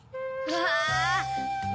うわ！